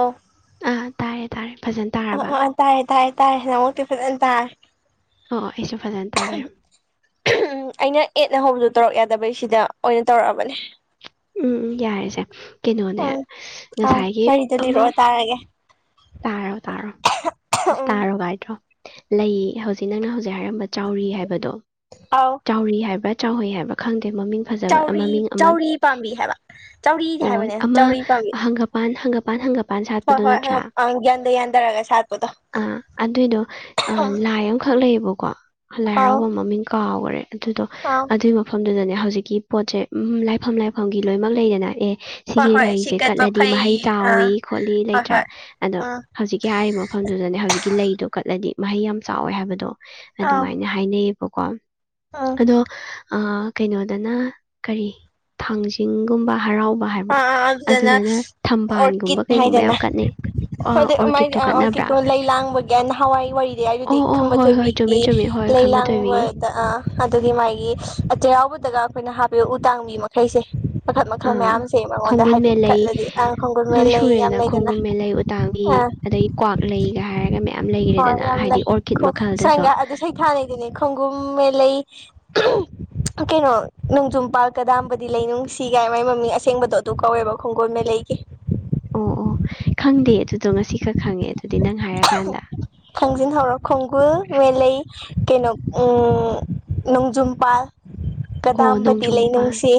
ꯑꯣ ꯑꯥ ꯇꯥꯔꯦ ꯇꯥꯔꯦ ꯐꯖꯅ ꯑ ꯇꯥꯔꯕ ꯑꯥꯏ ꯇꯥꯏ ꯇꯥꯏ ꯐ ꯇ ꯑꯣ ꯑꯣ ꯑꯩꯁꯨ ꯐꯖꯅ ꯇꯥꯔꯦ ꯅꯍꯧꯕꯁꯨ ꯇꯧꯔꯛ ꯌꯥꯗꯕꯩ ꯁꯤꯗ ꯑꯣꯏꯅ ꯇꯧꯔꯛꯑꯕꯅꯦ ꯎꯝ ꯌꯥꯔꯁꯦ ꯀꯩꯅꯣꯅꯦ ꯎꯝ ꯑꯥꯎ ꯉꯁꯥꯏꯒꯤ ꯋꯥꯔꯤꯗꯣ ꯑꯃ ꯂꯤꯔꯛꯑꯣ ꯇꯥꯔꯒꯦ ꯇꯥꯔꯣ ꯇꯥꯔꯣ ꯑꯁ ꯎꯝ ꯇꯥꯔꯣ ꯀꯥꯏꯗ꯭ꯔꯣ ꯂꯩꯌꯦ ꯍꯧꯖꯤꯛ ꯅꯪꯅ ꯍꯧꯖꯤꯛ ꯍꯥꯏꯗꯣ ꯆꯥꯎꯔꯤ ꯑꯥꯎ ꯍꯥꯏꯕ꯭ꯔ ꯍꯥꯏ ꯐ ꯆꯥꯎꯔꯤ ꯆꯥꯎꯔꯤ ꯄꯥꯝꯕꯤ ꯍꯥꯏꯕ ꯆꯥꯎꯔꯤ ꯍꯥꯏꯕꯅꯦ ꯃ ꯆꯥꯎꯔꯤ ꯄꯥꯝꯕꯤ ꯍ ꯃꯄꯥꯟ ꯍꯪꯒꯄꯥꯟ ꯍꯣꯏ ꯁꯥꯠꯄꯗꯨꯣ ꯍꯣꯏ ꯅꯠꯇ꯭ꯔꯥ ꯍꯪ ꯑꯪ ꯌꯥꯟꯗ ꯌꯥꯟꯊꯔꯒ ꯁꯥꯠꯄꯗꯣ ꯑꯥ ꯑꯗꯨꯏꯗꯣ ꯂꯥꯏ ꯑꯃꯈꯛ ꯂꯩꯌꯦꯕꯣ ꯀ ꯂꯥꯏ ꯑꯥꯎ ꯍꯔꯥꯎꯕ ꯃꯃꯤꯡ ꯀꯥꯎꯈꯔꯦ ꯑꯗꯨꯗꯣ ꯑꯥꯎ ꯑꯗꯨꯏ ꯃꯐꯝ ꯑꯗꯨꯗꯅꯦ ꯍꯧꯖꯤꯛꯀꯤ ꯄꯣꯠꯁꯦ ꯎ ꯂꯥꯏꯐꯝ ꯂꯥꯏꯐꯝꯒꯤ ꯂꯣꯏꯅꯃꯛ ꯂꯩꯗꯅ ꯑꯦ ꯍꯣꯏ ꯁꯤꯒꯤ ꯍꯣꯏ ꯁꯤ ꯂꯩꯁꯦ ꯀꯠꯄ ꯀꯠꯂꯗꯤ ꯐꯩ ꯃꯍꯩ ꯑꯥ ꯇꯏ ꯈꯣꯠꯂꯤ ꯍꯣꯏ ꯂꯩꯇ꯭ꯔꯥ ꯍꯣꯏ ꯑꯗꯣ ꯑꯥ ꯍꯧꯖꯤꯛꯀꯤ ꯍꯥꯏꯔꯤꯕ ꯃꯐꯝꯗꯨꯗꯅꯦ ꯍꯧꯖꯤꯛꯀꯤ ꯂꯩꯗꯣ ꯀꯠꯂꯗꯤ ꯃꯍꯩ ꯌꯥꯝ ꯆꯥꯎꯋꯦ ꯍꯥꯏꯕꯗꯣ ꯑꯥꯎ ꯑꯗꯨꯃꯥꯏꯅ ꯍꯥꯏꯅꯩꯌꯦꯕꯀꯣ ꯎꯝ ꯑꯗꯣ ꯀꯩꯅꯣꯗꯅ ꯀꯔꯤ ꯊꯥꯡꯖꯤꯡꯒꯨꯝꯕ ꯍꯔꯥꯎꯕ ꯑꯥ ꯍꯥꯏꯕ꯭ꯔꯥ ꯑꯥ ꯑꯗꯨꯗꯅ ꯊꯝꯕꯥꯜꯒꯨꯝꯕ ꯀꯩꯒꯨꯝꯕ ꯌꯥꯝ ꯀꯠꯅꯩ ꯑ, ꯑꯗ ꯃꯥꯏ ꯑꯣꯔꯀꯤꯠꯇꯣ ꯑꯣꯔ ꯀꯠꯅꯕ꯭ꯔꯥ ꯀꯩꯀꯣ ꯂꯩ ꯂꯥꯡꯕꯒꯤ ꯅꯍꯥꯟꯋꯥꯏ ꯋꯥꯔꯤꯗꯤ ꯍꯥꯏꯗꯨꯗꯤ ꯑꯣ ꯑꯣ ꯈꯝꯕ ꯍꯣꯏ ꯍꯣꯏ ꯊꯣꯏꯕꯤꯈꯤ ꯆꯨꯝꯃꯦ ꯆꯨꯝꯃꯦ ꯍꯣꯏ ꯂꯩ ꯈꯝꯕ ꯊꯣꯏꯕꯤꯒꯤ ꯂꯥꯡꯕꯗ ꯑ ꯑꯗꯨꯒꯤ ꯃꯥꯒꯤ ꯆꯩꯔꯥꯎꯕꯗꯒ ꯑꯩꯈꯣꯏꯅ ꯍꯥꯞꯄꯤꯌ ꯎꯗꯥꯡꯕꯤ ꯃꯈꯩꯁꯦ ꯃꯈꯠ ꯃꯈꯜ ꯑꯥ ꯃꯌꯥꯝ ꯈꯣꯡꯒꯨꯟ ꯃꯦꯂꯩ ꯃꯦꯟ ꯂꯣꯏ ꯂꯩ ꯌꯥꯝ ꯁꯨꯔꯦꯗꯅ ꯂꯩꯗꯅ ꯈꯣꯡꯒꯨꯟ ꯃꯦꯂꯩ ꯎꯇꯥꯡꯕꯤ ꯑꯥ ꯑꯗꯗꯒꯤ ꯀ꯭ꯋꯥꯛꯂ ꯒ ꯍꯥꯏꯔ ꯍꯣꯏ ꯌꯥꯝ ꯂꯩ ꯁꯒꯥ ꯑꯗꯨ ꯁꯩꯊꯥ ꯂꯩꯩꯗꯨꯅꯦ ꯈꯣꯡꯒꯨꯝ ꯃ ꯂꯩꯩ ꯇꯨ ꯀꯩꯅꯣ ꯅꯣꯡꯖꯝ ꯄꯥ ꯀꯗꯥꯕꯗꯤ ꯂꯩꯅꯨꯡꯁꯤꯒꯥꯏ ꯃꯒꯤ ꯃꯃꯤꯡ ꯑꯁꯦꯡꯕꯗꯣ ꯑꯗꯨ ꯀꯧꯋꯦꯕ ꯈꯣꯡꯒꯣꯜ ꯃ ꯂꯩ ꯑꯩꯦ ꯑꯣ ꯑꯣ ꯈꯪꯗꯦ ꯑꯗꯨꯗꯣ ꯉꯁꯤ ꯈꯔ ꯈꯪꯉꯦ ꯑꯗꯨꯗꯤ ꯅꯪ ꯍꯥꯏꯔꯀꯥꯟꯗ ꯈꯪꯖꯤꯟꯍꯧꯔꯣ ꯈꯣꯡꯒꯨꯜ ꯃꯦꯂꯩ ꯀꯩꯅꯣ ꯅꯣꯡꯖꯝꯄꯥꯥꯜ ꯑꯣ ꯀꯗꯥꯕꯗꯤ ꯅꯣꯡꯖꯨꯝꯄꯥ ꯂꯩꯅꯨꯡꯁꯤ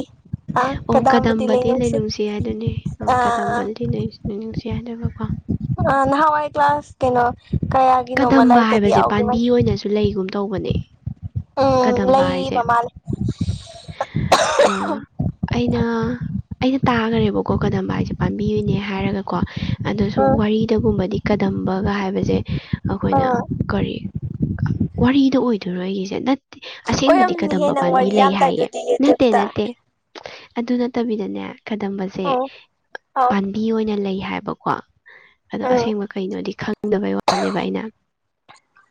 ꯑꯥ ꯑꯣ ꯀꯗꯥꯝꯕꯗꯤ ꯀꯗꯝꯕꯗꯤ ꯂꯩꯅꯨꯡꯁꯤ ꯍꯥꯏꯗꯨꯅꯤ ꯑꯥ ꯀꯗꯝꯕꯗꯤꯅꯨꯡꯁꯤ ꯍꯥꯏꯗꯣꯏꯕ ꯑ ꯅꯋꯥꯏ ꯀ꯭ꯂꯥꯁ ꯀꯦꯩꯅꯣ ꯀꯗꯝꯕ ꯍꯥꯏꯕꯁꯦ ꯄꯥꯝꯕꯤ ꯑꯣꯏꯅꯁꯨ ꯂꯩꯒꯨꯝ ꯇꯧꯕꯅꯦ ꯎꯝ ꯀꯗꯝꯕ ꯂꯩ ꯃꯃꯥ ꯂꯩ ꯑ ꯑꯩꯅ ꯑꯩꯅ ꯇꯥꯈꯔꯦꯕꯀꯣ ꯀꯗ ꯍꯥꯏꯁꯦ ꯄꯥꯝꯕꯤꯣꯏꯅꯦ ꯍꯥꯏꯔꯒ ꯀꯣ ꯑꯗꯣ ꯁꯨꯝ ꯎꯝ ꯋꯥꯔꯤꯗꯒꯨꯝꯕꯗꯤ ꯀꯗꯝꯝꯕꯒ ꯍꯥꯏꯕꯁꯦ ꯑꯩꯈꯣꯏꯅ ꯎꯝ ꯀꯔꯤ ꯋꯥꯔꯤꯗ ꯑꯣꯏꯗꯣꯏꯔꯣ ꯑꯩꯒꯤꯁꯦ ꯅ ꯑꯁꯦꯡꯕꯗꯤ ꯑꯣꯏꯔꯝꯅꯤꯍꯦ ꯀꯗꯝꯕ ꯅꯪ ꯄꯥꯝꯕꯤ ꯋꯥꯔꯤ ꯂꯩ ꯌꯥꯝ ꯍꯥꯏꯌꯦ ꯇꯥꯏꯗꯨꯗꯤ ꯅꯠꯇꯦ ꯌꯨꯇ꯭ꯌꯨꯕꯇ ꯅꯠꯇꯦ ꯑꯗꯨ ꯅꯠꯇꯕꯤꯗꯅꯦ ꯈꯗꯝꯕꯁꯦ ꯎꯝ ꯑꯧ ꯄꯥꯝꯕꯤ ꯑꯣꯏꯅ ꯂꯩ ꯍꯥꯏꯕꯀꯣ ꯑꯗꯣ ꯎꯝ ꯑꯁꯦꯡꯕ ꯀꯩꯅꯣꯗꯤ ꯈꯪꯗꯕꯩ ꯋꯥꯅꯦꯕ ꯑꯩꯅ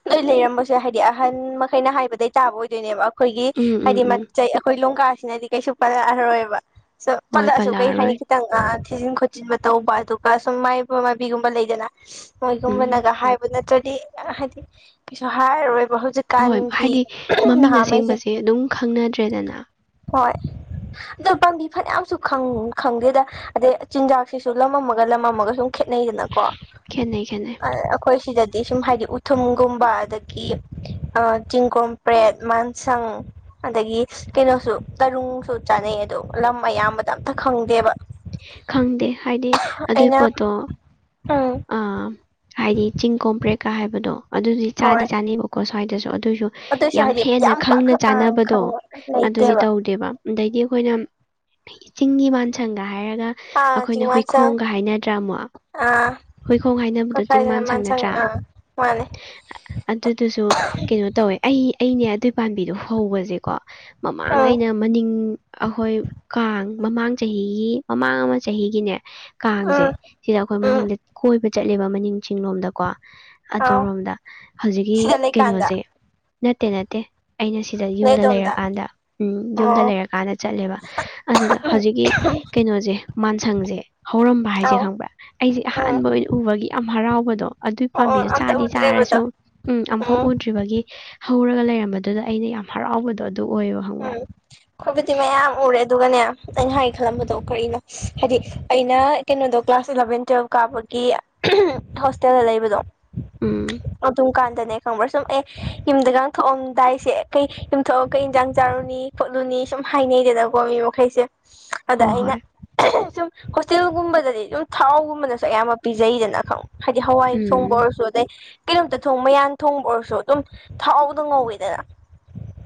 ꯅꯣꯏ ꯂꯩꯔꯝꯕꯁꯦ ꯍꯥꯏꯗꯤ ꯑꯍꯟ ꯃꯈꯩꯅ ꯍꯥꯏꯕꯗꯩ ꯇꯥꯕ ꯑꯣꯏꯗꯣꯏꯅꯦꯕ ꯑꯩꯈꯣꯏꯒꯤ ꯎꯝ ꯎꯝ ꯍꯥꯏꯗꯤ ꯎꯝ ꯃꯆꯩ ꯑꯩꯈꯣꯏ ꯂꯣꯡꯀꯥꯁꯤꯅꯗꯤ ꯀꯩꯁꯨ ꯄꯜꯂꯛꯑꯔꯣꯏꯕ ꯍꯣꯏ ꯄꯜꯂꯛꯑꯁꯨ ꯀꯩ ꯍꯥꯏꯅꯤ ꯄꯜꯂꯛꯑꯔꯣꯏ ꯈꯤꯇꯪ ꯊꯤꯖꯤꯟ ꯈꯣꯠꯆꯤꯟꯕ ꯇꯧꯕ ꯑꯗꯨꯒ ꯁꯨꯝ ꯃꯥꯏꯕ ꯃꯥꯏꯕꯤꯒꯨꯝꯕ ꯂꯩꯗꯅ ꯎꯝ ꯃꯣꯏꯒꯨꯝꯕꯅꯒ ꯍꯥꯏꯕ ꯅꯠꯇ꯭ꯔꯗꯤ ꯗꯤ ꯍꯥꯏꯗꯤ ꯁ ꯍꯔ ꯔꯣꯏ ꯍꯣꯏ ꯍꯥꯏꯗꯤ ꯃꯃꯤꯡ ꯅꯍꯥꯉꯩꯁꯦ ꯑꯁꯦꯡꯕꯁꯦ ꯑꯗꯨꯝ ꯈꯪꯅꯗ꯭ꯔꯦꯗꯅ ꯍꯣꯏ ꯑꯣ ꯄꯥꯝꯕꯤ ꯐꯅꯌꯥꯝꯁꯨ ꯈꯪꯗꯦꯗ ꯑꯗꯩ ꯆꯤꯟꯖꯥꯛꯁꯤꯁꯨ ꯂꯃꯝꯃꯒ ꯂꯃꯝꯃꯒ ꯁꯨꯝ ꯈꯦꯠꯅꯩꯗꯅꯀꯣ ꯈꯦꯠꯅꯩ ꯈꯦꯠꯅꯩ ꯑꯩꯈꯣꯏ ꯁꯤꯗꯗꯤ ꯁꯨꯝ ꯍꯥꯏꯗꯤ ꯎ ꯊꯨꯝꯒꯨꯝꯕ ꯑꯗꯒꯤ ꯆꯤꯡꯒꯣꯝ ꯄ꯭ꯔꯦꯠ ꯃꯥꯟꯁꯪ ꯑꯗꯒꯤ ꯀꯩꯅꯣꯁꯨ ꯇꯔꯨꯡꯁꯨ ꯆꯥꯅꯩ ꯑꯗꯣ ꯂꯝ ꯑꯌꯥꯝꯕꯗ ꯑꯝꯇ ꯈꯪꯗꯦꯕ ꯈꯪꯗꯦ ꯍꯥꯏꯗꯤ ꯑꯗꯨꯏ ꯑꯩꯅ ꯄꯣꯠꯇꯣ ꯎꯝ ꯑꯥ ꯍꯥꯏꯗꯤ ꯆꯤꯡ ꯀꯣꯝꯄ꯭ꯔꯦꯀ ꯍꯥꯏꯕꯗꯣ ꯑꯗꯨꯗꯤ ꯆꯥꯗꯤ ꯍꯣꯏ ꯆꯥꯅꯦꯕꯀꯣ ꯁ꯭ꯋꯥꯏꯗꯁꯨ ꯑꯗꯨꯑꯣꯏꯁꯨ ꯑꯗꯨꯏꯁꯨ ꯌꯥꯝ ꯍꯥꯏꯗꯤ ꯍꯦꯟꯅ ꯄꯥꯛ ꯈꯪꯅ ꯆꯥꯅꯕꯗꯣ ꯈꯪꯕ ꯑꯗꯨꯗꯤ ꯂꯩꯇꯦꯕ ꯇꯧꯗꯦꯕ ꯑꯗꯩꯗꯤ ꯑꯩꯈꯣꯏꯅ ꯆꯤꯡꯒꯤ ꯃꯥꯟꯁꯪꯒ ꯍꯥꯏꯔꯒ ꯑꯥ ꯑꯩꯈꯣꯏꯅ ꯆꯤꯡꯃꯥꯟꯁꯥꯡ ꯍꯨꯏꯈꯣꯡꯒ ꯍꯥꯏꯅꯗ꯭ꯔꯥ ꯑꯃꯨꯛ ꯑꯥ ꯍꯨꯏꯈꯣꯡ ꯍꯥꯏꯅꯕꯗ ꯀꯣꯏꯈꯥꯏꯗꯅ ꯆꯤꯡꯃꯥꯟ ꯁꯪ ꯃꯥꯟꯁꯪ ꯅꯗ꯭ꯔꯥ ꯑꯥ ꯃꯥꯅꯦ ꯑꯗꯨꯗꯨꯁꯨ ꯀꯩꯅꯣ ꯇꯧꯋꯦ ꯑꯩ ꯑꯩꯅꯦ ꯑꯗꯨꯏ ꯄꯥꯝꯕꯤꯗꯣ ꯍꯧꯕꯁꯦꯀꯣ ꯃꯃꯥꯡ ꯎꯝ ꯑꯩꯅ ꯃꯅꯤꯡ ꯑꯩꯈꯣꯏ ꯀꯥꯡ ꯃꯃꯥꯡ ꯆꯍꯤꯒꯤ ꯃꯃꯥꯡ ꯑꯃ ꯆꯍꯤꯒꯤꯅꯦ ꯀꯥꯡꯁꯦ ꯎꯝ ꯁꯤꯗ ꯑꯩꯈꯣꯏ ꯎꯝ ꯃꯅꯤꯡꯗ ꯆꯠ ꯀꯣꯏꯕ ꯆꯠꯂꯦꯕ ꯃꯅꯤꯡ ꯆꯤꯂꯣꯝꯗꯀꯣ ꯑꯥꯎ ꯑꯗꯨꯔꯣꯝꯗ ꯍꯧꯖꯤꯛꯀꯤ ꯁꯤꯗ ꯂꯩꯀꯥꯟꯗ ꯀꯩꯅꯣꯁꯦ ꯅꯠꯇꯦ ꯅꯠꯇꯦ ꯑꯩꯅ ꯁꯤꯗ ꯅꯣꯏ ꯌꯨꯝꯗ ꯑꯗꯣꯝꯗ ꯂꯩꯔꯀꯥꯟꯗ ꯎꯝ ꯌꯨꯝꯗ ꯑꯣ ꯂꯩꯔꯀꯥꯟꯗ ꯆꯠꯂꯦꯕ ꯑꯗꯨꯗ ꯎꯝ ꯍꯧꯖꯤꯛꯀꯤ ꯀꯩꯅꯣꯁꯦ ꯃꯥꯟꯁꯪꯁꯦ ꯍꯧꯔꯝꯕ ꯍꯥꯏꯁꯦ ꯑꯥꯎ ꯈꯪꯕ꯭ꯔꯥ ꯑꯩꯁꯦ ꯎꯝ ꯑꯍꯥꯟꯕ ꯑꯣꯏꯅ ꯎꯕꯒꯤ ꯌꯥꯝ ꯍꯔꯥꯎꯕꯗꯣ ꯑꯗꯨꯏ ꯑꯣ ꯑꯣ ꯄꯥꯝꯕꯤꯗꯨꯣ ꯑꯝꯇ ꯆꯥꯗꯤ ꯎꯗ꯭ꯔꯤꯕꯗꯣ ꯆꯥꯔꯁꯨ ꯎꯝ ꯑꯝꯐꯥꯎ ꯎꯗ꯭ꯔꯤꯕꯒꯤ ꯍꯧꯔꯒ ꯂꯩꯔꯝꯕꯗꯨꯗ ꯑꯩꯅ ꯌꯥꯝ ꯍꯔꯥꯎꯕꯗꯣ ꯑꯗꯨ ꯑꯣꯏꯌꯦꯕ ꯎꯝ ꯈꯪꯕ꯭ꯔꯥ ꯑꯩꯈꯣꯏꯕꯨꯗꯤ ꯃꯌꯥꯝ ꯎꯔꯦ ꯑꯗꯨꯒꯅꯦ ꯅꯩꯅ ꯍꯥꯏ ꯈꯜꯂꯝꯕꯗꯣ ꯀꯔꯤꯅꯣ ꯍꯥꯏꯗꯤ ꯑꯩꯅ ꯀꯩꯅꯣꯗꯣ ꯀ꯭ꯂꯥꯁ ꯑꯦꯂꯚꯦꯟ ꯇꯨꯋꯦꯜꯕ ꯀꯥꯕꯒꯤ ꯍꯣꯁꯇꯦꯜꯗ ꯂꯩꯕꯗꯣ ꯎꯝ ꯗꯨꯀꯥꯟꯗꯅꯦ ꯈꯪꯕ꯭ꯔꯥ ꯁꯨꯝ ꯑꯦ ꯌꯨꯝꯗꯒ ꯊꯣꯛꯑꯝꯗꯥꯏꯁꯦ ꯀꯩ ꯌꯨꯝꯊꯑꯒ ꯀꯩ ꯏꯟꯥꯡ ꯆꯥꯔꯨꯅꯤ ꯈꯣꯠꯂꯨꯅꯤ ꯁꯨꯝ ꯍꯥꯏꯅꯩꯗꯅꯀꯣ ꯃꯤ ꯃꯈꯩꯁꯦ ꯑꯗ ꯍꯣꯏ ꯑꯩꯅ ꯍꯣꯏ ꯁꯨꯝ ꯍꯣꯁꯇꯦꯜꯒꯨꯝꯕꯗꯗꯤ ꯑꯗꯨꯝ ꯊꯥꯎꯒꯨꯝꯕꯅꯁꯨ ꯑꯌꯥꯝꯕ ꯄꯤꯖꯩꯗꯅ ꯈꯪꯉ ꯍꯥꯏꯗꯤ ꯍꯋꯥꯏ ꯎꯝ ꯁꯣꯝꯕꯔꯁꯨ ꯑꯗ ꯀꯩꯅꯣꯝꯇ ꯊꯣꯡ ꯃꯌꯥꯟ ꯊꯣꯡꯕ ꯑꯣꯏꯔꯁꯨ ꯑꯗꯨꯝ ꯊꯥꯎꯗꯣ ꯉꯧꯋꯦꯗꯅ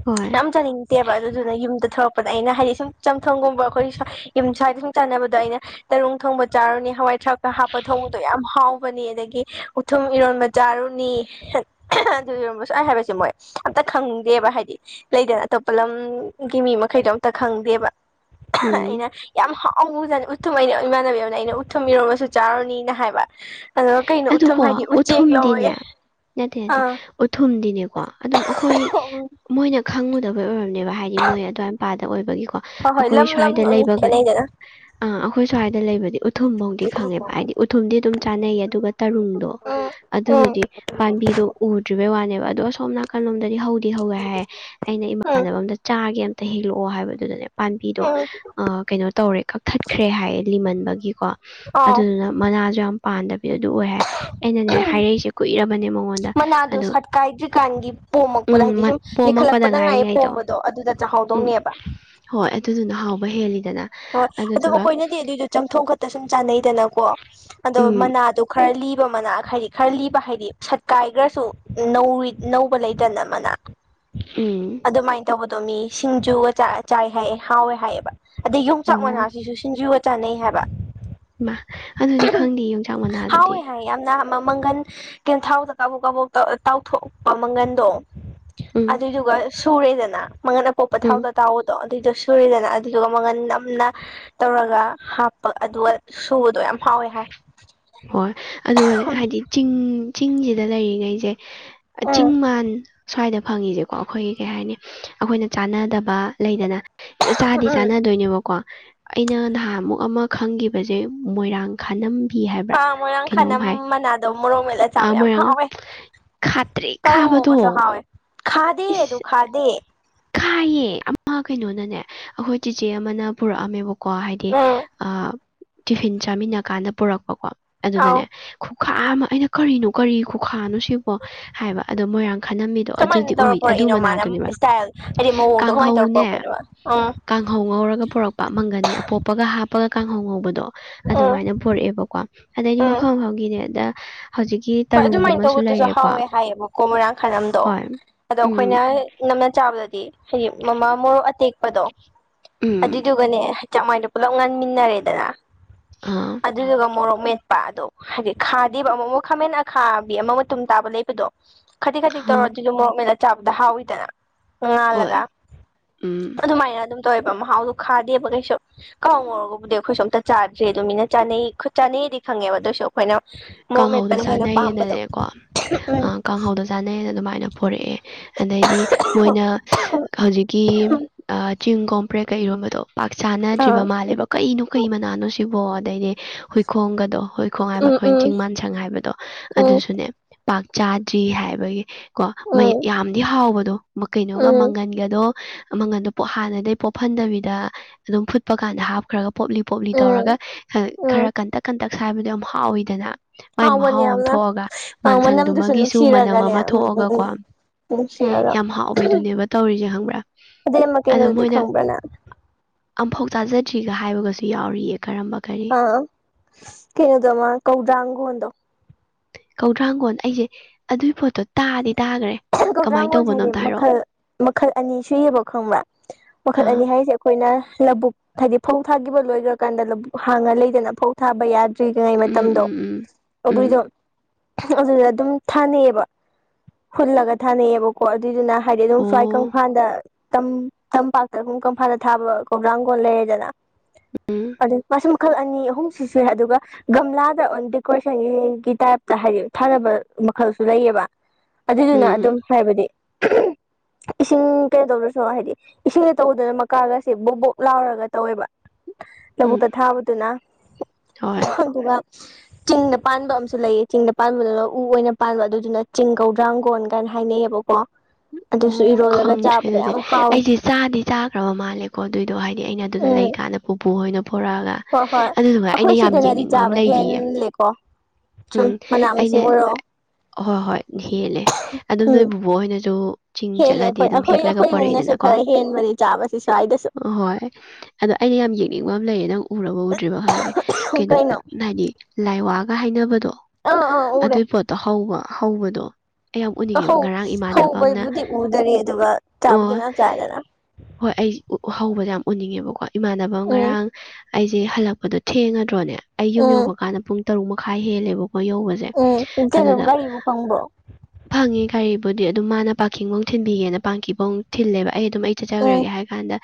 ꯍꯣꯏ ꯌꯥꯝ ꯆꯅꯤꯡꯉ ꯑꯗꯨꯅ ꯊꯔꯛꯄꯗ ꯑꯩꯅ ꯍꯥꯏꯗꯤ ꯁꯨꯝ ꯆꯝꯊꯣꯡꯒꯨꯝꯕ ꯑꯩꯈꯣꯏ ꯌꯨꯝ ꯁꯋꯥꯗ ꯁꯨꯝ ꯆꯥꯅꯕꯗꯣ ꯑꯩꯅ ꯇꯔꯨꯡ ꯊꯣꯡꯕ ꯀꯥꯎꯅꯤ ꯍꯋꯥꯏ ꯊ ꯍꯥ ꯄ ꯊꯣꯡꯣ ꯌꯥꯝ ꯍꯥꯎ ꯄꯅꯤ ꯑꯗꯒꯤ ꯎꯊꯨꯝ ꯏꯔꯣꯟꯕ ꯆꯥꯔꯨꯅꯤ ꯑꯗꯨꯔꯁꯨ ꯑꯩ ꯍꯥꯏꯕꯁꯦ ꯃꯣꯏ ꯑꯝꯇ ꯈꯪꯗꯦꯕ ꯍꯥꯏꯗꯤ ꯂꯩꯗꯅ ꯑꯇꯣꯞꯄ ꯂꯝꯒꯤ ꯃꯤ ꯃꯈꯩꯗꯣ ꯑꯝꯇ ꯈꯪꯗꯦꯕ ꯎꯝ ꯑꯩꯅ ꯌꯥꯝ ꯍꯥꯎ ꯑꯖꯅꯤ ꯎꯠꯊꯨꯝ ꯑꯩꯅ ꯏꯃꯥꯟꯅꯕꯤ ꯑꯃꯅ ꯑꯩꯅ ꯎꯠꯊꯨꯝ ꯏꯔꯣꯃꯁꯨ ꯆꯥꯔꯣꯅꯤꯅ ꯍꯥꯏꯕ ꯑꯗꯨꯒ ꯀꯩꯅꯣ ꯎꯊꯨꯝ ꯑꯗꯨꯀꯣ ꯍꯥꯏꯗꯤ ꯎꯆꯦꯛ ꯎꯊꯨꯝꯗꯤꯅꯦ ꯂꯧꯋꯦ ꯌꯥꯠꯇꯦ ꯅꯠꯇꯦ ꯑꯥ ꯎꯊꯨꯝꯗꯤꯅꯦꯀꯣ ꯑꯗꯨꯝ ꯑꯩꯈꯣꯏ ꯎꯝ ꯃꯣꯏꯅ ꯈꯪꯉꯨꯗꯕꯩ ꯑꯣꯏꯔꯝꯅꯦꯕ ꯍꯥꯏꯗꯤ ꯃꯣꯏ ꯑꯗꯨ꯭ꯋꯥꯏ ꯃꯄꯥꯗ ꯑꯣꯏꯕꯒꯤꯀꯣ ꯍꯣꯏ ꯍꯣꯏ ꯑꯩꯈꯣꯏ ꯂꯝ ꯂꯝ ꯁ꯭ꯋꯥꯏꯗ ꯑꯃꯨꯛ ꯂꯩꯕꯒ ꯈꯦꯠꯅꯩꯗꯅ ꯑ ꯑꯩꯈꯣꯏ ꯁ꯭ꯋꯥꯏꯗ ꯂꯩꯕꯗꯤ ꯎꯊꯨꯝꯐꯧꯗꯤ ꯈꯪꯉꯦꯕ ꯍꯥꯏꯗꯤ ꯎꯊꯨꯝꯗꯤ ꯑꯗꯨꯝ ꯆꯥꯅꯩꯌꯦ ꯑꯗꯨꯒ ꯇꯔꯨꯡꯗꯣ ꯎꯝ ꯎꯝ ꯑꯗꯨꯗꯨꯗꯤ ꯄꯥꯝꯕꯤꯗꯣ ꯎꯗ꯭ꯔꯤꯕꯩ ꯋꯥꯅꯦꯕ ꯑꯗꯣ ꯑꯁꯣꯝꯅꯅꯥ ꯣꯝ ꯍꯧꯗꯤ ꯍꯧꯋꯦ ꯍꯥꯏꯔꯌꯦ ꯑꯩꯅ ꯎꯝ ꯏꯃꯥꯟꯅꯕ ꯑ ꯆꯥꯒꯦ ꯍꯦꯛꯂꯛꯑꯣ ꯍꯥꯏꯕꯗꯨꯗꯅꯦ ꯄꯥꯝꯕꯤꯗꯣ ꯎꯝ ꯀꯩꯅꯣ ꯇꯧꯔꯦ ꯀꯛꯊꯠꯈ꯭ꯔꯦ ꯍꯥꯏ ꯂꯤꯃꯟꯕꯒꯤ ꯀꯣ ꯑꯥꯎ ꯑꯗꯨꯗꯨꯅ ꯃꯅꯥꯁꯨ ꯌꯥꯝ ꯄꯥꯟꯗꯕꯤ ꯑꯗꯨ ꯑꯣꯏ ꯍꯥꯏ ꯑꯩꯅꯅꯦ ꯍꯥꯏꯔꯛꯏꯁꯦ ꯀꯨꯏꯔꯕꯅꯦ ꯃ ꯃꯅꯥꯗꯣ ꯁꯠꯀꯥꯏꯗ꯭ꯔꯤꯀꯥꯟꯒꯤ ꯄꯣꯝꯃꯛꯄꯗ ꯎꯝ ꯍꯥꯏꯗꯤ ꯃꯠ ꯁꯨꯝ ꯄꯣꯝꯃꯛꯄꯗ ꯂꯤꯈꯠꯂꯛꯄꯗ ꯉꯥꯏꯌꯦ ꯉꯥꯏꯔꯤꯉꯩꯗꯣ ꯄꯣꯝꯕꯗꯣ ꯑꯗꯨꯗ ꯆꯪ ꯎꯝ ꯍꯧꯗꯧꯅꯦꯕ ꯍꯣꯏ ꯑꯗꯨꯗꯨꯅ ꯍꯥꯎꯕ ꯍꯦꯜꯂꯤꯗꯅ ꯍꯣꯏ ꯑꯗꯨꯝ ꯑꯗꯨꯗꯨꯒ ꯑꯩꯈꯣꯏꯅꯗꯤ ꯑꯗꯨꯏꯗꯣ ꯆꯝꯊꯣꯡ ꯈꯛꯇ ꯁꯨꯝ ꯆꯥꯟꯅꯩꯗꯅꯀꯣ ꯑꯗꯣ ꯎꯝ ꯃꯅꯥꯗꯣ ꯈꯔ ꯈꯔ ꯂꯤꯕ ꯃꯅꯥ ꯍꯥꯏꯗꯤ ꯈꯔ ꯂꯤꯕ ꯍꯥꯏꯗꯤ ꯁꯠꯀꯥꯏꯈ꯭ꯔꯁꯨ ꯅꯧꯕ ꯂꯩꯇꯅ ꯃꯅꯥ ꯎꯝ ꯑꯗꯨꯃꯥꯏꯅ ꯇꯧꯕꯗꯣ ꯃꯤ ꯁꯤꯡꯖꯨꯒ ꯆꯥꯏ ꯍꯥꯏꯌꯦꯦ ꯍꯥꯎꯋꯦ ꯍꯥꯏꯌꯦꯕ ꯑꯗꯒꯤ ꯆꯥꯛ ꯑꯣ ꯃꯅꯥꯁꯤꯁꯨ ꯁꯤꯡꯖꯨꯒ ꯆꯥꯅꯩ ꯍꯥꯏꯕ ꯃꯥ ꯑꯗꯨꯗꯤ ꯈꯪꯗꯦ ꯌꯣꯡꯆꯥꯛ ꯃꯅꯥ ꯑꯗꯨꯗꯤ ꯍꯥꯎꯋꯦ ꯍꯥꯏ ꯌꯥꯝꯅ ꯃꯪꯒꯟ ꯀꯦꯟꯊꯥꯎꯗ ꯀꯥꯕꯣꯛ ꯀꯥꯕꯣꯛ ꯇꯥꯎꯊꯣꯛꯄ ꯃꯪꯒꯟꯗꯣ ꯎꯝ ꯑꯗꯨꯏꯗꯨꯒ ꯁꯨꯔꯦꯗꯅ ꯃꯉꯟ ꯑꯄꯣꯛꯄ ꯎꯝ ꯊꯥꯎꯗ ꯇꯥꯎꯕꯗꯣ ꯑꯗꯨꯏꯗꯨꯣ ꯁꯨꯔꯤꯗꯅ ꯑꯗꯨꯏꯗꯨꯒ ꯃꯒꯟ ꯅꯝꯅ ꯇꯧꯔꯒ ꯍꯥꯞꯄ ꯑꯗꯨꯒ ꯁꯨꯕꯗꯣ ꯌꯥꯝ ꯍꯥꯎꯋꯦ ꯍꯥꯏ ꯍꯣꯏ ꯑꯗꯨꯒ ꯍꯥꯏꯗꯤ ꯆꯤꯡ ꯆꯤꯡꯁꯤꯗ ꯂꯩꯔꯤꯉꯩꯁꯦ ꯎꯝ ꯆꯤꯡ ꯃꯥꯟ ꯁ꯭ꯋꯥꯏꯗ ꯐꯪꯉꯤꯁꯦꯀꯣ ꯑꯩꯈꯣꯏꯒꯤ ꯀꯩ ꯍꯥꯏꯅꯤ ꯑꯩꯈꯣꯏꯅ ꯆꯥꯟꯅꯗꯕ ꯂꯩꯗꯅ ꯆꯥꯗꯤ ꯎꯝ ꯆꯥꯟꯅꯗꯣꯏꯅꯦꯕꯀꯣ ꯑꯩꯅ ꯅꯍꯥꯃꯨꯛ ꯑꯃ ꯈꯪꯕꯁꯦ ꯃꯣꯏꯔꯥꯡ ꯈꯥꯅꯝꯕꯤ ꯍꯥꯏ ꯭ꯔ ꯄꯥꯡ ꯃꯣꯏꯔꯥꯡ ꯀꯩꯅꯣꯝ ꯈꯥꯅꯝ ꯍꯥꯏ ꯃꯅꯥꯗꯣ ꯃꯣꯔꯣꯛ ꯃꯦꯠꯂ ꯑ ꯆꯥꯕ ꯌꯥꯝ ꯃꯣꯏꯔꯥꯡ ꯍꯥꯎꯋꯦ ꯈꯥꯇ꯭ꯔꯤ ꯀꯥꯡꯉꯧ ꯉꯧꯕꯁꯨ ꯈꯥꯕꯗꯣ ꯍꯥꯎꯋꯦ ꯈꯥꯗꯦ ꯑꯗꯨ ꯈꯥꯗꯦ ꯈꯥꯏꯌꯦ ꯑꯃ ꯀꯩꯅꯣꯅꯅꯦ ꯑꯩꯈꯣꯏ ꯆꯦꯆꯦ ꯑꯃꯅ ꯄꯨꯔꯛꯑꯝꯃꯦꯕꯀꯣ ꯀꯣ ꯍꯥꯏꯗꯤ ꯎꯝ ꯇꯤꯐꯤꯟ ꯆꯥꯃꯤꯟꯅ ꯀꯥꯟꯗ ꯄꯨꯔꯛꯄꯀꯣ ꯑꯧ ꯑꯗꯨꯗꯅꯦ ꯈꯨꯈꯥ ꯑꯃ ꯑꯩꯅ ꯀꯔꯤꯅꯣ ꯀꯔꯤ ꯈꯨꯈꯥꯅꯣ ꯁꯤꯕꯣ ꯍꯥꯏꯕ ꯑꯗꯣ ꯃꯣꯏꯔꯥꯡ ꯈꯂꯝꯝꯃꯤꯗꯣ ꯀꯃꯥꯏꯅ ꯑꯗꯨꯗꯤ ꯇꯧꯔ ꯑꯣꯏ ꯑꯗꯨ ꯄꯣꯔꯛꯏꯅꯣ ꯃꯥꯅ ꯃꯅꯥꯗꯨꯅꯦꯕ ꯏꯁꯇꯥꯏꯜ ꯍꯥꯏꯗꯤ ꯃꯑꯣꯡꯗꯣ ꯀꯃꯥꯏꯅ ꯇꯧꯔ ꯀꯥꯡꯍꯧꯅꯦ ꯄꯣꯔꯛꯄꯅꯣꯕ ꯎꯝ ꯀꯥꯡꯍꯧ ꯉꯧꯔꯒ ꯄꯨꯔꯛꯄ ꯃꯪꯒꯟ ꯑꯄꯣꯞꯄꯒ ꯍꯥꯞ ꯍꯥꯄꯒ ꯀꯥꯡꯍꯧ ꯉꯧꯕꯗꯣ ꯎꯝ ꯑꯗꯨꯃꯥꯏꯅ ꯄꯨꯣꯔꯛꯑꯦꯕꯀꯣ ꯑꯗꯩꯗꯤ ꯎꯝ ꯃꯐꯝ ꯃꯒꯤꯅꯦꯗ ꯍꯣꯏ ꯑꯗꯨꯃꯥꯏꯅ ꯇꯧꯕꯗꯨꯁꯨ ꯍꯥꯎꯋꯦ ꯍꯥꯏꯌꯦꯕꯀꯣ ꯃꯣꯏꯔꯥꯡ ꯈꯥꯏꯅꯝꯗꯣ ꯍꯣꯏ ꯑꯗꯣ ꯎꯝ ꯑꯩꯈꯣꯏꯅ ꯅꯝꯅ ꯆꯥꯕꯗꯗꯤ ꯍꯥꯏꯗꯤ ꯃꯃꯥ ꯃꯣꯔꯣꯛ ꯑꯇꯦꯛꯄꯗꯣ ꯎꯝ ꯑꯗꯨꯏꯗꯨꯒꯅꯦ ꯆꯃꯏꯅ ꯄꯨꯂꯞ ꯉꯥꯟꯃꯤꯟꯅꯔꯦꯗꯅ ꯑꯥ ꯑꯗꯨꯗꯨꯒ ꯃꯣꯔꯣꯛ ꯃꯦꯠ ꯄ ꯑꯗꯣ ꯍꯥꯏꯗꯤ ꯈꯥꯗꯦꯕ ꯑꯃ ꯑꯃꯨꯛ ꯈꯥꯃꯦꯟ ꯑ ꯈꯥꯕꯤ ꯑꯃ ꯃꯇꯨꯝ ꯇꯥꯕ ꯂꯩꯕꯗꯣ ꯈꯖꯤꯛ ꯈꯖꯤꯛ ꯇꯧꯔꯣ ꯑꯗꯨꯁꯨ ꯃꯣꯔꯣꯛꯃꯦꯟꯅ ꯆꯥꯕꯗ ꯍꯥꯎꯋꯤꯗꯅ ꯉꯥꯜꯂꯒ ꯍꯣꯏ ꯎꯝ ꯑꯗꯨꯃꯥꯏꯅ ꯑꯗꯨꯝ ꯇꯕ ꯃꯍꯥꯎꯗꯨꯣ ꯈꯥꯗꯦꯕ ꯀꯩꯁꯨ ꯀꯥꯎꯉꯧꯔꯒꯕꯨꯗꯤ ꯑꯩꯈꯣꯏꯁꯨ ꯑꯝꯇ ꯆꯥꯗ꯭ꯔꯦ ꯑꯗꯨꯃꯤꯅ ꯆꯥꯅꯩ ꯆꯥꯅꯩ ꯗꯤ ꯈꯉꯦꯕ ꯑꯗꯨꯑꯣꯏꯁꯨ ꯑꯩꯈꯣꯏꯅ ꯃꯣꯔ ꯃꯦꯠꯄꯅ ꯍꯦꯟꯅ ꯄꯥꯝꯕꯗꯣ ꯟꯅꯔꯦꯀꯣ ꯎꯝ ꯀꯥꯡꯍꯧꯗꯣ ꯆꯥꯅꯩꯌꯦꯅ ꯑꯗꯨꯃꯥꯏꯅ ꯄꯣꯔꯛꯑꯦ ꯑꯗꯩꯗꯤ ꯃꯣꯏꯅ ꯍꯧꯖꯤꯛꯀꯤ ꯆꯤꯡ ꯀꯣꯝꯄ꯭ꯔꯦ ꯀꯩ ꯏꯤꯔꯣꯝꯕꯗꯣ ꯄꯥꯛ ꯆꯥꯅꯗ꯭ꯔꯤꯕ ꯑꯥ ꯃꯥꯜꯂꯦꯕ ꯀꯩꯅꯣ ꯀꯩ ꯃꯅꯥꯅꯣ ꯁꯤꯕꯣ ꯑꯗꯩꯗꯤ ꯍꯨꯏꯈꯣꯡꯒꯗꯣ ꯍꯨꯏꯈꯣꯡ ꯍꯥꯏꯕ ꯎꯝ ꯑꯩꯈꯣꯏ ꯎꯝ ꯆꯤꯡ ꯃꯥꯟꯁꯪ ꯍꯥꯏꯕꯗꯣ ꯑꯗꯨꯁꯨꯅꯦ ꯄꯥꯛ ꯆꯥꯗ꯭ꯔꯤ ꯍꯥꯏꯕꯒꯤ ꯀꯣ ꯎꯝ ꯎꯝ ꯌꯥꯝꯗꯤ ꯍꯥꯎꯕꯗꯣ ꯀꯩꯅꯣꯒ ꯎꯝ ꯃꯪꯒꯟꯒꯗꯣ ꯃꯪꯒꯟꯗꯣ ꯍꯥꯟꯅꯗꯩ ꯄꯣꯍꯟꯗꯕꯤꯗ ꯑꯗꯨꯝ ꯐꯨꯠꯄ ꯀꯥꯟꯗ ꯍꯥꯞꯈ꯭ꯔꯒ ꯄꯣꯞꯂꯤ ꯄꯣꯞꯂꯤ ꯎꯝ ꯇꯧꯔꯒ ꯎꯝ ꯈꯔ ꯀꯟꯇꯛ ꯀꯟꯇꯛ ꯁꯥꯏꯕꯗꯣ ꯌꯥꯝ ꯍꯥꯎꯋꯤꯗꯅ ꯃꯥꯏ ꯍꯥꯎꯕꯅꯦ ꯃꯍꯥꯎ ꯑꯃ ꯌꯥꯝꯅ ꯊꯣꯛꯑꯒ ꯑ ꯃꯅꯝꯗꯨꯁꯨ ꯃꯟꯁꯪꯗꯨꯃꯒꯤꯁꯨ ꯃꯅꯝ ꯅꯨꯡꯁꯤꯔꯒꯅꯦ ꯑꯃ ꯎꯝ ꯎꯝ ꯊꯣꯛꯑꯒꯀꯣ ꯎꯝ ꯅꯨꯡꯁꯤꯔꯒ ꯌꯥꯝ ꯍꯥꯎꯕꯤꯗꯨꯅꯦꯕ ꯇꯧꯔꯤꯁꯦ ꯈꯪꯕ꯭ꯔꯥ ꯑꯗꯨ ꯃ ꯑꯗ ꯀꯩꯅꯣꯗꯤ ꯃꯣꯏꯅ ꯈꯪꯕ꯭ꯔꯅ ꯑꯝꯐꯥꯎ ꯇꯥꯖꯗ꯭ꯔꯤꯒ ꯍꯥꯏꯕꯒꯁꯨ ꯌꯥꯎꯔꯤꯑ ꯑ ꯀꯩꯅꯗ ꯃꯥ ꯀꯧꯗꯥꯒꯣꯗꯣ ꯀꯧꯗ꯭ꯔꯥꯡꯒꯣꯟ ꯑꯩꯁꯦ ꯑꯗꯨꯏ ꯄꯣꯠꯇꯣ ꯇꯥꯗꯤ ꯇꯥꯈ꯭ꯔꯦ ꯀꯃꯥꯏꯅ ꯀꯧꯗ꯭ꯔꯥꯡꯒꯣꯟꯁꯦ ꯇꯧꯕꯅꯣ ꯍꯥꯏꯗꯤ ꯑꯝꯇ ꯍꯥꯏꯔꯛꯑꯣ ꯃꯈꯜ ꯃꯈꯜ ꯑꯅꯤ ꯁꯨꯏꯌꯦꯕ ꯈꯪꯕ꯭ꯔꯥ ꯃꯈꯜ ꯑꯥ ꯑꯅꯤ ꯍꯥꯏꯔꯤꯁꯦ ꯑꯩꯈꯣꯏꯅ ꯂꯧꯕꯕꯨꯛ ꯍꯥꯏꯗꯤ ꯐꯧ ꯊꯥꯈꯤꯕ ꯂꯣꯏꯈ꯭ꯔꯀꯥꯟꯗ ꯂꯧꯕꯕꯨꯛ ꯍꯥꯡꯉ ꯂꯩꯗꯅ ꯐꯧ ꯊꯥꯕ ꯌꯥ ꯭ꯔꯤꯔꯤꯉꯩ ꯎꯝ ꯃꯇꯝꯗꯣ ꯎꯝ ꯎꯝ ꯎꯝ ꯇ꯭ꯔꯤꯗꯣ ꯑꯗꯨꯗ ꯑꯗꯨꯝ ꯊꯥꯅꯩꯑꯕ ꯍꯨꯜꯂꯒ ꯊꯥꯅꯩꯌꯦꯕꯀꯣ ꯑꯗꯨꯏꯗꯨꯅ ꯍꯥꯏꯗꯤ ꯑꯗꯨꯝ ꯑꯣ ꯁ꯭ꯋꯥꯏ ꯀꯪꯐꯥꯜꯗ ꯇꯝꯄꯥꯛꯇ ꯑꯗꯨꯝ ꯀꯪꯐꯥꯜꯗ ꯊꯥꯕ ꯀꯒ꯭ꯔꯥꯡ ꯀꯂꯦ ꯂꯩꯔꯦꯗꯥꯅ ꯎꯝ ꯑ ꯃꯈ ꯃꯈꯜ ꯑꯅꯤ ꯑꯍꯨꯝ ꯁꯤ ꯁꯦ ꯑꯗꯨꯒ ꯒꯝꯂꯥꯗ ꯗꯦꯀꯣꯔꯦꯁꯟ ꯇꯥꯏꯞꯇ ꯍꯥꯏꯗꯤ ꯊꯥꯅꯕ ꯃꯈꯜꯁꯨ ꯂꯩꯌꯦꯕ ꯑꯗꯨꯗꯨꯅ ꯎꯝ ꯑꯗꯨꯝ ꯍꯥꯏꯕꯗꯤ ꯏꯁꯤꯡ ꯀꯩꯅꯣ ꯇꯧꯗ꯭ꯔꯁꯨ ꯍꯥꯏꯗꯤ ꯏꯁꯤꯡꯗ ꯇꯧꯗꯅ ꯃꯀꯥꯒꯁꯦ ꯕꯣꯛ ꯕꯣꯛ ꯂꯥꯎꯔꯒ ꯇꯧꯋꯦꯕ ꯎꯝ ꯂꯧꯕꯨꯛꯇ ꯊꯥꯕꯗꯨꯅ ꯍꯣꯏ ꯑꯗꯨꯒ ꯆꯤꯡꯗ ꯄꯥꯟꯕ ꯑꯃꯁꯨ ꯂꯩꯌꯦ ꯆꯤꯡꯗ ꯄꯥꯟꯕꯗꯨꯅ ꯎ ꯑꯣꯏꯅ ꯄꯥꯟꯕ ꯑꯗꯨꯗꯨꯅ ꯆꯤꯡꯒꯧꯗ꯭ꯔꯥꯡꯒꯣꯟ ꯀꯅ ꯍꯥꯏꯅꯩꯌꯦꯕꯀꯣ ꯑꯗꯨꯁꯨ ꯑꯣ ꯏꯔꯣꯜꯂꯒ ꯈꯪꯗ꯭ꯔꯦ ꯆꯥꯕꯗ ꯑꯗꯨꯗꯤ ꯌꯥꯝ ꯍꯥꯎꯋꯦ ꯑꯩꯁꯦ ꯆꯥꯗꯤ ꯆꯥꯈ꯭ꯔꯕ ꯃꯥꯜꯂꯦꯀꯣ ꯑꯗꯨꯏꯗꯣ ꯍꯥꯏꯗꯤ ꯑꯩꯅ ꯑꯗꯨꯗ ꯎꯝ ꯂꯩꯒ ꯏꯁꯥꯅ ꯄꯨꯄꯨꯍꯣꯏꯅꯥ ꯍꯣꯏ ꯍꯣꯏ ꯑꯩꯈꯣꯏ ꯁꯤꯗꯅꯗꯤ ꯌꯦꯡꯅꯤꯡꯕ ꯑꯃ ꯆꯥꯕ ꯂꯩꯔꯤꯌꯦ ꯍꯦꯜꯂꯦꯀꯣ ꯁꯨꯝ ꯎꯝ ꯃꯅꯥ ꯑꯩꯅ ꯃꯁꯤꯡ ꯑꯣꯏꯔꯛꯑꯣ ꯍꯣꯏ ꯍꯣꯏ ꯍꯦꯜꯂꯦ ꯑꯗꯨꯝ ꯅꯣꯏ ꯎꯝ ꯕꯕꯣꯛꯣꯏꯅꯁꯨ ꯆꯤꯡ ꯍꯦꯜꯂꯦ ꯆꯠꯂꯗꯤ ꯑꯩꯈꯣꯏ ꯑꯗꯨꯝ ꯑꯩꯈꯣꯏ ꯍꯦꯛꯑꯒꯥ ꯄꯨꯔꯛꯏꯗꯅ ꯑꯩꯈꯣꯏꯃꯨꯛꯅꯁꯨ ꯀꯣ ꯈꯔ ꯍꯦꯟꯕꯅꯤ ꯆꯥꯕꯁꯤ ꯁ꯭ꯋꯥꯏꯗꯁꯨ ꯌꯥꯝ ꯌꯦꯡꯅꯤꯡꯕ ꯑꯃ ꯂꯩꯔꯦ ꯅꯪ ꯎꯔꯕ ꯎꯗꯔ꯭ꯤꯕ ꯈꯪꯗꯦ ꯀꯩꯅꯣ ꯀꯩꯅꯣꯗꯝ ꯍꯥꯏꯗꯤ ꯂꯥꯏꯋꯥ ꯒ ꯍꯥꯏꯅꯕꯗꯣ ꯑꯥ ꯑꯥ ꯎꯔꯦ ꯑꯗꯨꯏ ꯄꯣꯠꯇꯣ ꯍꯧꯕ ꯍꯧꯕꯗꯣ ꯑꯩ ꯌꯥꯝ ꯎꯅꯤꯡꯉꯦꯕ ꯍꯧ ꯉꯔꯥꯡ ꯏꯃꯥꯟꯅꯕ ꯑꯃꯅ ꯍꯧꯕꯩꯕꯨꯗꯤ ꯎꯗꯔꯤ ꯑꯗꯨꯒ ꯆꯥꯕꯨꯗꯤ ꯑꯣ ꯃꯌꯥꯝ ꯆꯥꯏꯗꯅ ꯍꯣꯏ ꯑꯩ ꯍꯧꯕꯁ ꯌꯥꯝ ꯎꯅꯤꯡꯉꯦꯕꯀꯣ ꯏꯃꯥꯟꯅꯕ ꯎꯝ ꯉꯔꯥꯡ ꯑꯩꯁꯦ ꯍꯜꯂꯛꯄꯗꯣ ꯊꯦꯡꯉꯗ꯭ꯔꯣꯅꯦ ꯑꯩ ꯌꯨꯝ ꯎꯝ ꯌꯧꯕ ꯀꯥꯟꯗ ꯄꯨꯡ ꯇꯔꯨꯛ ꯃꯈꯥꯏ ꯍꯦꯜꯂꯦꯕꯀꯣ ꯌꯧꯕꯁꯦ ꯎꯝ ꯏꯆꯦꯅ ꯑꯗꯨꯗ ꯒꯥꯔꯤꯕꯨ ꯐꯪꯕ꯭ꯔꯣ ꯐꯪꯉꯦ ꯀꯔꯤꯕꯨꯗꯤ ꯑꯗꯨꯝ ꯃꯥꯅ ꯄꯥꯀꯤꯡꯐꯧ ꯊꯤꯟꯕꯤꯒꯦꯅ ꯄꯥꯀꯤꯐꯧ ꯊꯤꯜꯂꯦꯕ ꯑꯩ ꯑꯗꯨꯝ ꯑꯩ ꯎꯝ ꯆꯠꯆꯈ꯭ꯔꯒꯦ ꯍꯥꯏꯔ ꯀꯥꯟꯗ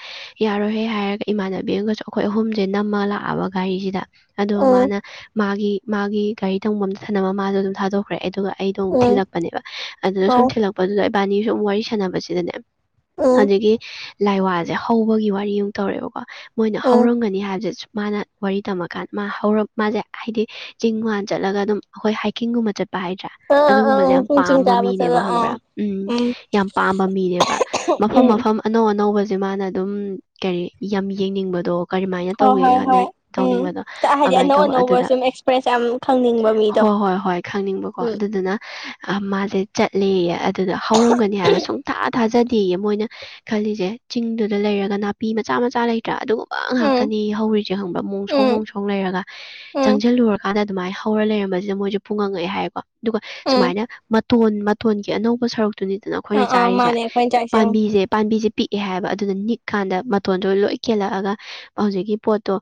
ꯌꯥꯔꯣꯏꯍꯦ ꯍꯥꯏꯔꯒ ꯏꯃꯥꯟꯅꯕꯤ ꯑꯃꯒꯁꯨ ꯑꯩꯈꯣꯏ ꯑꯍꯨꯝꯁꯦ ꯅꯝꯃꯒ ꯂꯥꯛꯑꯕ ꯘꯔꯤꯁꯤꯗ ꯑꯗꯣ ꯎꯝ ꯃꯥꯅ ꯃꯥꯒꯤ ꯃꯥꯒꯤ ꯒꯥꯔꯤ ꯇꯣꯡꯐꯝ ꯑꯝꯇ ꯊꯅꯕ ꯃꯥꯗꯣ ꯑꯗꯨꯝ ꯊꯥꯗꯣꯛꯈ꯭ꯔꯦ ꯑꯗꯨꯒ ꯑꯩꯗꯣ ꯑꯃꯨꯛ ꯎꯝ ꯊꯤꯜꯂꯛꯄꯅꯦꯕ ꯑꯗꯨꯅ ꯁꯨꯝ ꯑꯧ ꯊꯤꯜꯂꯛꯄꯗꯨꯗ ꯏꯕꯥꯅꯤꯁꯨ ꯁꯨ ꯋꯥꯔꯤ ꯁꯥꯟꯅꯕꯁꯤꯗꯅꯦ ꯎꯝ ꯍꯧꯖꯤꯗꯒꯤ ꯂꯥꯏꯋꯥꯁꯦ ꯍꯧꯕꯒꯤ ꯋꯥꯔꯤ ꯑꯃ ꯇꯧꯔꯦꯕꯀꯣ ꯃꯣꯏꯅ ꯎꯝ ꯍꯧꯔꯝꯒꯅꯤ ꯍꯥꯏꯕꯕꯁꯦ ꯃꯥꯅ ꯋꯥꯔꯤ ꯇꯝꯃꯀꯥꯟꯗ ꯃꯥ ꯍꯧꯔ ꯃꯥꯁꯦ ꯍꯥꯏꯗꯤ ꯆꯤꯡ ꯃꯥꯟ ꯆꯠꯂꯒ ꯑꯗꯨꯝ ꯑꯩꯈꯣꯏ ꯍꯥꯏꯀꯤꯡꯒꯨꯝꯕ ꯆꯠꯄ ꯍꯥꯏꯗ꯭ꯔꯥ ꯑꯥ ꯑꯥ ꯑꯥ ꯑꯗꯨꯒꯨꯝꯕꯁꯦ ꯎꯝ ꯌꯥꯝ ꯎꯝ ꯆꯤꯡ ꯄꯥꯝꯕ ꯀꯥꯕ ꯃꯤꯅꯦꯕ ꯆꯠꯂꯣ ꯑꯥ ꯈꯪꯕ꯭ꯔꯥ ꯎꯝ ꯌꯥꯝ ꯄꯥꯝꯕ ꯃꯤꯅꯦꯕ ꯃꯐꯝ ꯎꯝ ꯃꯐꯝ ꯑꯅꯧ ꯑꯅꯧꯕ ꯖꯦ ꯃꯥꯅ ꯑꯗꯨꯝ ꯀꯔꯤ ꯌꯥꯝ ꯌꯦꯡꯅꯤꯡꯕꯗꯣ ꯀꯔꯤꯃꯥꯏꯅ ꯍꯣꯏ ꯇꯧꯒꯦ ꯍꯣꯏ ꯀꯅ ꯍꯣꯏ ꯎꯝ ꯇꯧꯅꯤꯡꯕꯗꯣ ꯍꯥꯏꯗꯤ ꯑꯗꯨꯃꯥꯏꯅ ꯑꯅꯧ ꯇꯧꯕ ꯑꯅꯧꯕ ꯑꯗꯨꯗ ꯁꯨꯝ ꯑꯦꯛꯁꯄ꯭ꯔꯦꯁ ꯌꯥꯝ ꯈꯪꯅꯤꯡꯕ ꯃꯤꯗꯣ ꯍꯣꯏ ꯍ ꯍꯣꯏ ꯍꯣꯏ ꯈꯪꯅꯤꯡꯕꯀꯣ ꯎꯝ ꯑꯗꯨꯗꯨꯅ ꯃꯥꯁꯦ ꯆꯠꯂꯦ ꯑꯗꯨꯗ ꯍꯧꯔꯝꯒꯅꯤ ꯍꯥꯏꯕ ꯁꯨꯡꯊꯥ ꯊꯥꯖꯗꯦ ꯃꯣꯏꯅ ꯈꯜꯂꯤꯁꯦ ꯆꯤꯡꯗꯨꯗ ꯂꯩꯔꯒ ꯅꯥꯄꯤ ꯃꯆꯥ ꯆꯥ ꯃꯆꯥ ꯂꯩꯇ꯭ꯔꯥ ꯑꯗꯨꯕꯨ ꯕꯥ ꯎꯝ ꯉꯥꯛꯇꯅꯤ ꯍꯧꯔꯤꯁꯦ ꯈꯪꯕ꯭ꯔꯥ ꯃꯣꯡ ꯁꯣꯡ ꯎꯝ ꯃꯣꯡ ꯁꯣꯡ ꯂꯩꯔꯒ ꯎꯝ ꯆꯪꯁꯤꯜꯂꯨꯔꯀꯥꯟꯗ ꯑꯗꯨꯃꯥꯏꯅ ꯍꯧꯔ ꯂꯩꯔꯝꯕꯁꯤꯗ ꯃꯣꯏꯁꯨꯦ ꯐꯨꯡꯉꯪꯉꯛꯑꯦ ꯍꯥꯏꯀꯣ ꯑꯗꯨꯒ ꯎꯝ ꯁꯨꯃꯥꯏꯅ ꯃꯇꯣꯟ ꯃꯇꯣꯟꯒꯤ ꯑꯅꯧꯕ ꯁꯔꯨꯛ ꯑꯗꯨꯅꯤꯗꯅ ꯑꯥ ꯑꯩꯈꯣꯏꯅ ꯑꯥ ꯆꯥꯔꯤꯁꯦ ꯃꯥꯅꯦ ꯑꯩꯈꯣꯏꯅ ꯆꯥꯏꯁꯦ ꯄꯥꯝꯕꯤꯁꯦ ꯄꯥꯝꯕꯤꯁꯦ ꯄꯤꯛꯑꯦ ꯍꯥꯏꯕ ꯑꯗꯨꯅ ꯅꯤꯛ ꯀꯥꯟꯗ ꯃꯇꯣꯟꯗꯨ ꯂꯣꯏ ꯀꯦꯜꯂꯛꯑꯒ ꯍꯧꯖꯤꯛꯀꯤ ꯄꯣꯠꯇꯣ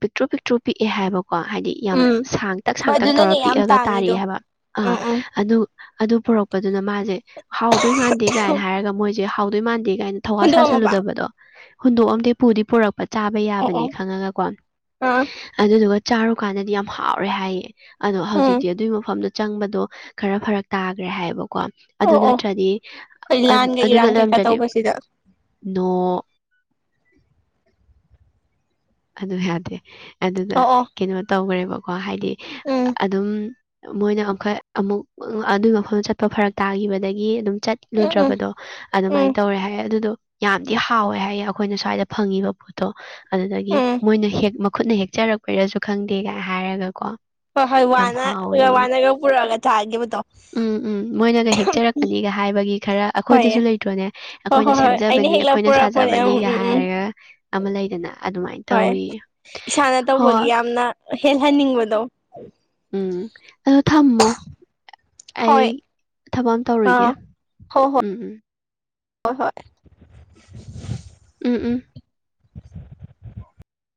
ꯄꯤꯛꯇ꯭ꯔꯨ ꯄꯤꯛꯇ꯭ꯔꯨ ꯄꯤꯛꯑꯦ ꯍꯥꯏꯕꯀꯣ ꯀꯣ ꯍꯥꯏꯗꯤ ꯌꯥꯝ ꯎꯝ ꯁꯥꯡꯇꯛ ꯍꯣꯏ ꯁꯥꯡꯇꯛ ꯇꯧꯔ ꯑꯗꯨꯅꯅꯦ ꯌꯥꯝ ꯄꯤꯛꯑꯒ ꯇꯥꯔꯛꯑꯦ ꯇꯥꯡꯉꯤꯗꯣ ꯍꯥꯏꯕ ꯑꯥ ꯎꯝ ꯎꯝ ꯑꯗꯨ ꯑꯗꯨ ꯄꯨꯔꯛꯄꯗꯨꯅ ꯃꯥꯁꯦ ꯍꯥꯎꯗꯣꯏ ꯃꯥꯟꯗꯦ ꯀꯥꯏꯅ ꯍꯥꯏꯔꯒ ꯃꯣꯏꯁꯦ ꯍꯥꯎꯗꯣꯏ ꯃꯥꯟꯗꯦ ꯥꯏꯅ ꯊꯋꯥ ꯍꯨꯟꯗꯣꯛꯑꯝꯃꯕ ꯁꯥꯁꯜꯂꯨꯗꯕꯗꯣ ꯍꯨꯟꯗꯣꯛꯑꯝꯗꯦ ꯄꯨꯗꯤ ꯄꯨꯔꯛꯄ ꯆꯥꯕ ꯑꯣ ꯑꯣ ꯌꯥꯕꯅꯤ ꯈꯪꯉꯒꯀꯣ ꯑꯥ ꯑꯗꯨꯗꯨꯒ ꯆꯥꯔꯨ ꯀꯥꯟꯗꯗꯤ ꯌꯥꯝ ꯍꯥꯎꯔꯦ ꯍꯥꯏꯌꯦ ꯑꯗꯣ ꯎꯝ ꯍꯧꯖꯤꯛꯇꯤ ꯑꯗꯨꯒꯤ ꯃꯐꯝꯗ ꯆꯪꯕꯗꯣ ꯈꯔ ꯐꯔꯛ ꯇꯥꯈ꯭ꯔꯦ ꯍꯥꯏꯌꯦꯕꯀꯣ ꯑꯗꯨ ꯑꯣ ꯑꯣ ꯅꯠꯇ꯭ꯔꯗꯤ ꯍꯣꯏ ꯂꯥꯟꯒ ꯑꯗꯨꯅ ꯏꯔꯥꯡ ꯀꯩꯀꯥ ꯅꯥꯠꯂꯝꯗ꯭ꯔꯗꯤ ꯇꯧꯕꯁꯤꯗ ꯅꯣꯡ [inaudible] [unintelligible] ꯑꯗꯨ ꯌꯥꯗꯦ ꯑꯗꯨꯗ ꯑꯣ ꯑꯣ ꯀꯩꯅꯣ ꯇꯧꯈ꯭ꯔꯦꯕꯀꯣ ꯍꯥꯏꯗꯤ ꯎꯝ ꯑꯗꯨꯝ ꯃꯣꯏꯅ ꯑꯃꯨꯈꯛ ꯑꯃꯨꯛ ꯑꯗꯨꯒꯤ ꯃꯐꯝ ꯆꯠꯄ ꯐꯔꯛ ꯇꯥꯈꯤꯕꯗꯒꯤ ꯑꯗꯨꯝ ꯎꯝ ꯎꯝ ꯆꯠꯂꯨꯗ꯭ꯔꯕꯗꯣ ꯑꯗꯨꯃꯥꯏꯅ ꯎꯝ ꯇꯧꯔꯦ ꯍꯥꯏ ꯑꯗꯨꯗꯣ ꯌꯥꯝꯗꯤ ꯍꯥꯎꯋꯦ ꯍꯥꯏꯌꯦ ꯑꯩꯈꯣꯏꯅ ꯁ꯭ꯋꯥꯏꯗ ꯐꯪꯉꯤꯕ ꯄꯣꯠꯇꯣ ꯑꯗꯨꯗꯒꯤ ꯎꯝ ꯈꯨꯠꯅ ꯍꯦꯛꯆꯔꯛꯄꯩꯔꯁꯨ ꯈꯪꯗꯦꯒ ꯍꯥꯏꯔꯒ ꯀꯣ ꯍꯣꯏ ꯍꯣꯏ ꯌꯥꯝ ꯋꯥꯅ ꯍꯥꯎꯋꯦ ꯋꯥꯅꯒ ꯄꯨꯔꯛꯑꯒ ꯆꯥꯈꯤꯕꯗꯣ ꯎꯝ ꯎꯝ ꯃꯣꯏꯅꯒ ꯍꯦꯛꯆꯔꯛꯀꯅꯤꯒ ꯍꯥꯏꯕꯒꯤ ꯈꯔ ꯍꯣꯏ ꯑꯩꯈꯣꯏꯗꯁꯨ ꯂꯩꯇ꯭ꯔꯣꯅꯦ ꯍꯣꯏ ꯑꯩꯈꯣꯏꯅ ꯍꯣꯏ ꯍꯣꯏ ꯑꯩꯅ ꯁꯦꯝꯖꯕꯅꯤ ꯍꯦꯛꯂꯛ ꯑꯩꯈꯣꯏꯅ ꯄꯨꯔꯛꯄꯅꯦ ꯎꯝ ꯁꯥꯖꯕꯅꯤꯒ ꯎꯝ ꯎꯝ ꯍꯥꯏꯔꯒ ꯑꯃ ꯂꯩꯗꯅ ꯑꯗꯨꯃꯥꯏꯅ ꯍꯣꯏ ꯇꯧꯋꯤ ꯏꯁꯥꯅ ꯇꯧꯕꯒꯤ ꯍꯣꯏ ꯌꯥꯝꯅ ꯍꯦꯜꯍꯟꯅꯤꯡꯕꯗꯣ ꯎꯝ ꯑꯗꯣ ꯊꯝꯃꯣ ꯑꯩ ꯍꯣꯏ ꯊꯕꯛ ꯑꯃ ꯇꯧꯔꯣꯏꯒꯦ ꯑꯥ ꯍꯣꯏ ꯍꯣꯏ ꯎꯝ ꯎꯝ ꯍꯣꯏ ꯍꯣꯏ ꯎꯝ ꯎꯝ [unintelligible]